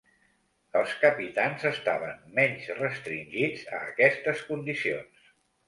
Els capitans estaven menys restringits a aquestes condicions.